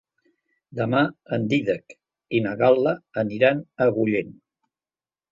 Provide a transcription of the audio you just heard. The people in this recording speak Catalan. Demà en Dídac i na Gal·la aniran a Agullent.